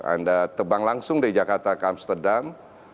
anda terbang langsung dari jakarta ke amsterdam